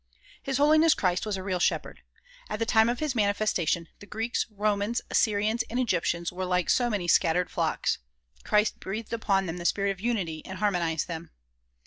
His Holiness Christ was a real shepherd. At the time of his manifestation, the Greeks, Romans, Assyrians and Egyptians were like so many scattered flocks. Christ breathed upon them the spirit of unity and harmonized them.